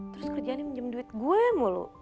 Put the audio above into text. terus kerjaannya menjemah duit gue mulu